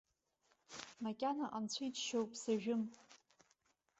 Макьана, анцәа иџьшьоуп, сажәым.